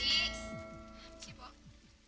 eh lah mana banyak bener